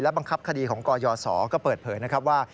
บังคับคดีของกยศก็เปิดเผยนะครับว่า